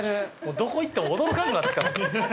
どこ行っても驚かんなってきた。